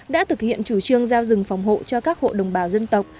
đã thực hiện chủ trương giao rừng phòng hộ cho các hộ đồng bào dân tộc